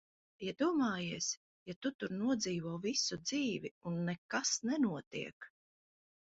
Iedomājies, ja tu tur nodzīvo visu dzīvi, un nekas nenotiek!